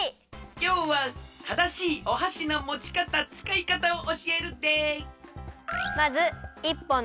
きょうはただしいおはしのもちかたつかいかたをおしえるで！